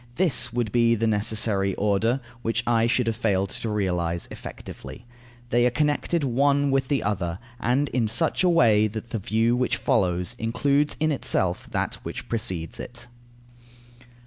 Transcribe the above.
This would be the necessary order, which I should have failed to realize effectively. They are connected one with the other, and in such a way that the view which follows includes in itself that which precedes it.